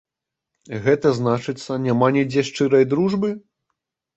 Гэта значыцца, няма нідзе шчырай дружбы?